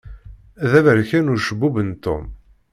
D aberkan ucebbub n Tom.